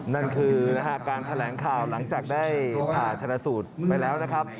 นั่นคือการแถลงข่าวหลังจากได้ผ่าชนะสูตรไปแล้วนะครับ